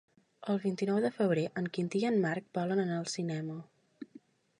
El vint-i-nou de febrer en Quintí i en Marc volen anar al cinema.